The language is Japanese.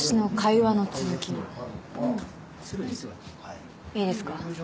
いいですか。